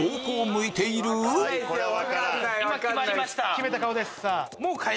決めた顔です。